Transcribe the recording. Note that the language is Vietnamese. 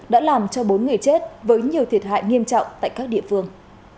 đã làm cho bốn người chết với nhiều thiệt hại nghiêm trọng tại các địa phương